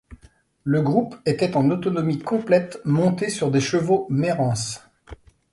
Le groupe était en autonomie complète, monté sur des chevaux Mérens.